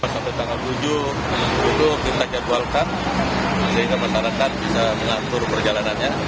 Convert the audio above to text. sampai tanggal tujuh kita jadwalkan jadi kemasaran kan bisa melatur perjalanannya